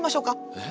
えっ？